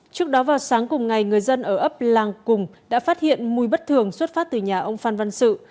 trước đó vào sáng cùng ngày người dân ở ấp làng cùng đã phát hiện mùi bất thường xuất phát từ nhà ông phan văn sự